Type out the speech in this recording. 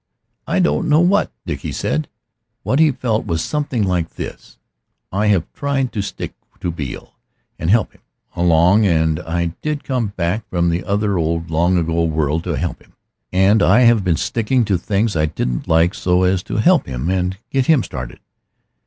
I don't know what Dickie said; what he felt was something like this: "I have tried to stick to Beale, and help him along, and I did come back from the other old long ago world to help him, and I have been sticking to things I didn't like so as to help him and get him settled.